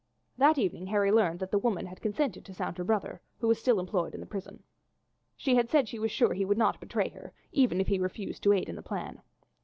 That evening Harry learned that the woman had consented to sound her brother, who was still employed in the prison. She had said she was sure that he would not betray her even if he refused to aid in the plan.